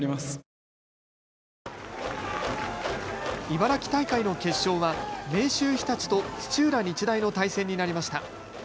茨城大会の決勝は明秀日立と土浦日大の対戦になりました。